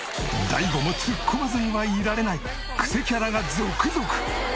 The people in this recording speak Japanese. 大悟もツッコまずにはいられないクセキャラが続々！